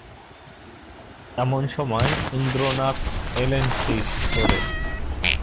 এমন সময় ইন্দ্রনাথ এলেন সেই শহরে।